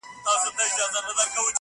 چاودلی زړه به خپل پرودگار ته ور وړم”